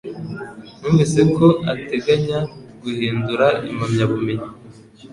Numvise ko uteganya guhindura impamyabumenyi